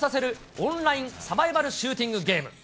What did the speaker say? オンラインサバイバルシューティングゲーム。